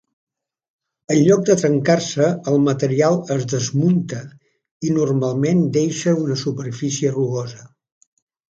En lloc de trencar-se, el material es "desmunta" i normalment deixa una superfície rugosa.